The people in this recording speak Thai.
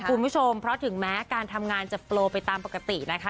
คุณผู้ชมเพราะถึงแม้การทำงานจะโปรไปตามปกตินะคะ